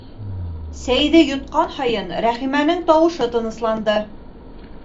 Сәйҙе йотҡан һайын Рәхимәнең тауышы тынысланды: